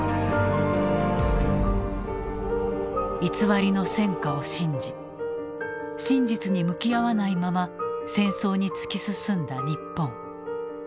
偽りの戦果を信じ真実に向き合わないまま戦争に突き進んだ日本。